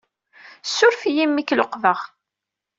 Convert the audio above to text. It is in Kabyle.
Ssuref-iyi imi ay k-luqbeɣ.